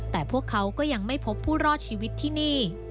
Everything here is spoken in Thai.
แต่พวกเขาก็ยังไม่พบผู้รอดชีวิตที่นี่